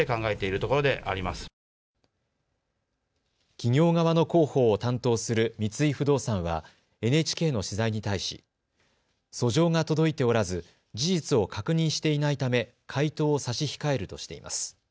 企業側の広報を担当する三井不動産はＮＨＫの取材に対し訴状が届いておらず事実を確認していないため回答を差し控えるとしています。